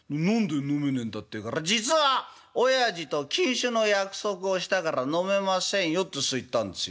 言うから『実はおやじと禁酒の約束をしたから飲めませんよ』ってそう言ったんですよ。